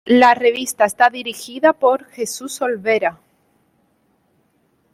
La revista está dirigida por Jesús Olvera.